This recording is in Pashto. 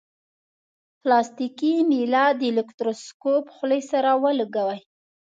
پلاستیکي میله د الکتروسکوپ خولې سره ولګوئ.